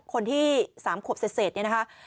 คนที่๓ขวบเซ็ดนี่นะฮะ